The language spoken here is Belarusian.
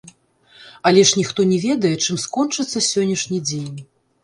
Але ж ніхто не ведае, чым скончыцца сённяшні дзень.